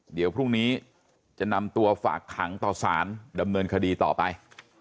เดี๋ยวพรุ่งนี้จะนำตัวฝากขังต่อสารดำเนินคดีต่อไป